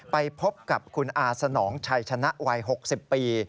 ไปพบกับคุณอาสนองชัยชนะวัย๖๐ปี